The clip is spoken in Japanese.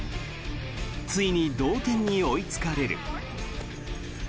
ついに同点に追いつかれる。